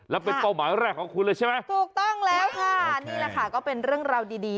แล้วเป็นเป้าหมายแรกของคุณเลยใช่ไหมถูกต้องแล้วค่ะนี่แหละค่ะก็เป็นเรื่องราวดีดี